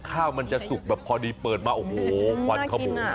ข้าวมันจะสุกแบบพอดีเปิดมาโอ้โหควันขโมง